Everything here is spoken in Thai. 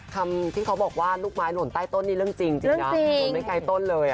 คำที่เขาบอกว่าลูกไม้หล่นใต้ต้นนี่เรื่องจริงนะหล่นไม่ไกลต้นเลย